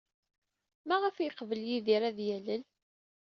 Maɣef ay yeqbel Yidir ad yalel?